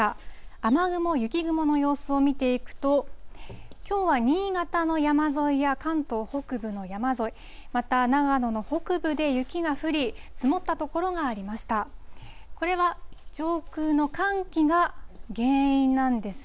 雨雲、雪雲の様子を見ていくと、きょうは新潟の山沿いや関東北部の山沿い、また長野の北部で雪が降り、積もった所がありました。